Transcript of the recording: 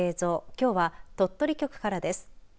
きょうは鳥取局からです。